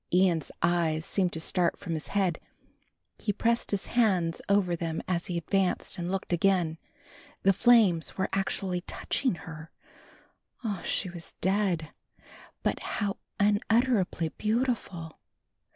Ian's eyes seemed to start from his head. He pressed his hands over them as he advanced and looked again. The flames were actually touching her. Ah, she was dead, but how unutterably beautiful!